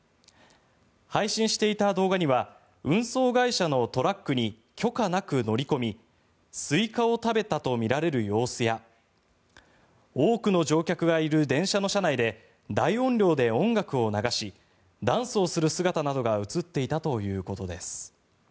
配信していた動画には運送会社のトラックに許可なく乗り込みスイカを食べたとみられる様子や多くの乗客がいる電車の車内で大音量で音楽を流しダンスをする姿などが映っていたということです。